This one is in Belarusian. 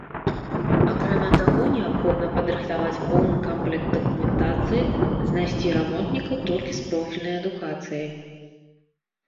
Акрамя таго, неабходна падрыхтаваць поўны камплект дакументацыі, знайсці рамонтнікаў толькі з профільнай адукацыяй.